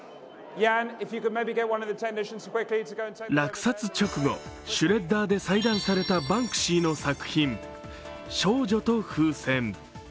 落札直後、シュレッダーで裁断されたバンクシーの作品「少女と風船」